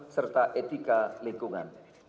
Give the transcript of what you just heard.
serta etika lingkungan